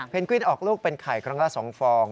เป็นกวินออกลูกเป็นไข่ครั้งละ๒ฟอง